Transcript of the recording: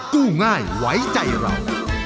กู้ง่ายไว้ใจเรา